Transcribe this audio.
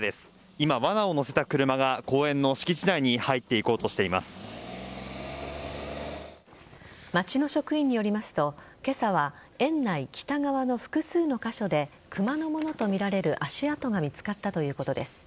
今、わなを載せた車が公園の敷地内に町の職員によりますと今朝は園内北側の複数の箇所でクマのものとみられる足跡が見つかったということです。